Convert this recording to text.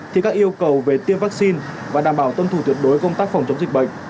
thì các yêu cầu về tiêm vaccine và đảm bảo tuân thủ tuyệt đối công tác phòng chống dịch bệnh